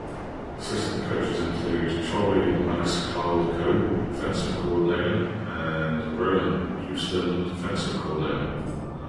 Assistant coaches included Charlie Maniscalco (offensive coordinator) and Roland Houston (defensive coordinator).